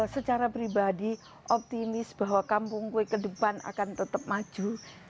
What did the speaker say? secara pribadi optimis bahwa kampung kue ke depan akan tetap maju